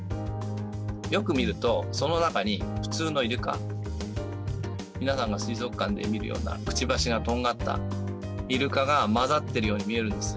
よく見ると、その中に普通のイルカ、皆さんが水族館で見るようなくちばしがとんがったイルカが交ざってるように見えるんです。